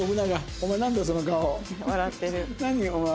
お前。